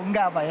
enggak pak ya